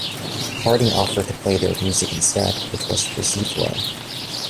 Harding offered to play their music instead which was received well.